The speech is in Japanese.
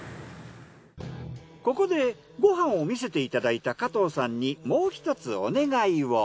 ここでご飯を見せていただいた加藤さんにもう一つお願いを。